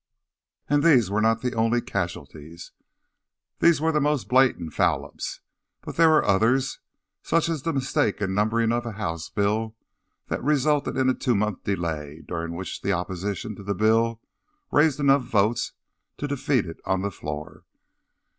And these were not the only casualties. They were the most blatant foul ups, but there were others, such as the mistake in numbering of a House Bill that resulted in a two month delay during which the opposition to the bill raised enough votes to defeat it on the floor.